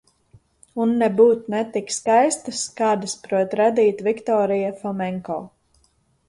Un nebūt ne tik skaistas, kādas prot radīt Viktorija Fomenko.